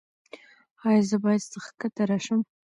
ایا زه باید ښکته راشم؟